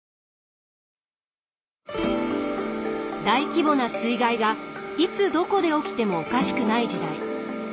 大規模な水害がいつどこで起きてもおかしくない時代。